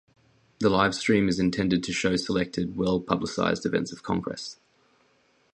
The live stream is intended to show selected well-publicized events of Congress.